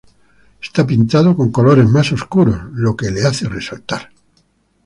Está pintado con colores más oscuros, lo que le hace resaltar.